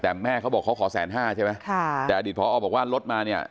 แต่แม่เขาบอกเขาขอแสนห้าใช่ไหมค่ะแต่อดีตพอบอกว่าลดมาเนี่ย